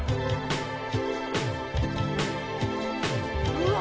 うわ！